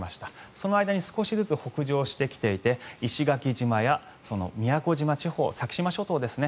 その間に少しずつ北上してきていて石垣島や宮古島地方先島諸島ですね。